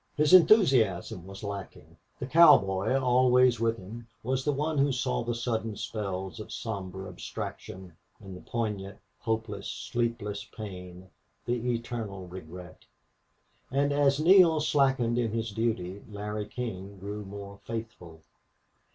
His enthusiasm was lacking. The cowboy, always with him, was the one who saw the sudden spells of somber abstraction and the poignant, hopeless, sleepless pain, the eternal regret. And as Neale slackened in his duty Larry King grew more faithful.